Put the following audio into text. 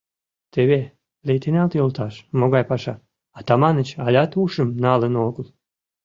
— Теве, лейтенант йолташ, могай паша: Атаманыч алят ушым налын огыл...